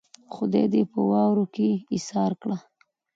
خدای دې په واورو کې ايسار کړه.